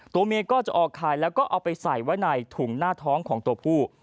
ตัวเมียก็จะออกขายแล้วก็เอาไปใส่ไว้ในถุงหน้าท้องของตัวผู้